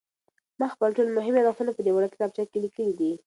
ما خپل ټول مهم یادښتونه په دې وړه کتابچه کې لیکلي دي.